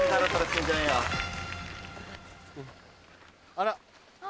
あら！